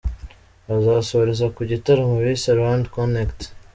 Bazasoreza ku gitaramo bise Rwanda Connect.